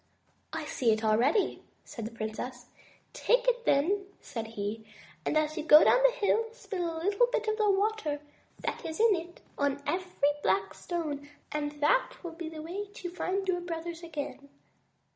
"I see it already," said the princess. "Take it then," said he, "and as you go down the hill, spill a little of the water that is in it on every black stone, and that will be the way to find your brothers again."